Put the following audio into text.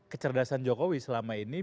kecerdasan jokowi selama ini